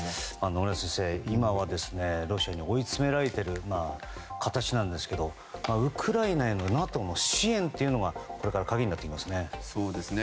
野村先生、今はロシアに追い詰められている形なんですがウクライナへのＮＡＴＯの支援がこれから鍵になってきますね。